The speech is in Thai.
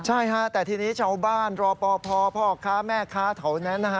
ใช่ฮะแต่ทีนี้ชาวบ้านรอปภพ่อค้าแม่ค้าแถวนั้นนะฮะ